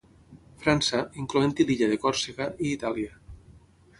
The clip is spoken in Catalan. França, incloent-hi l'illa de Còrsega, i Itàlia.